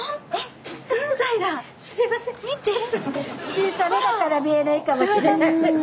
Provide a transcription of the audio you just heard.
小さめだから見えないかもしれないけど。